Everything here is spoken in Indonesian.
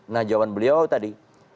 nah jawaban beliau tadi